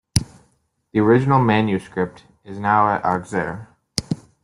The original manuscript is now at Auxerre.